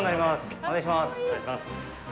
お願いします。